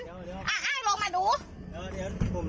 ผมมีคนไข้เยอะมากนะครับ